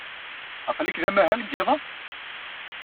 Aql-ik d amahal deg yiḍ-a?